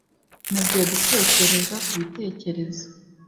nabwiwe gutekereza kubitekerezo,